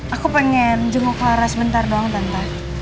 aku pengen jenguk clara sebentar doang tante